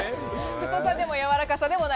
太さでも、やわらかさでもない。